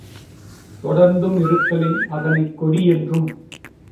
தொடர்ந்துமிருத்தலின், அதனைக் கொடி என்றும்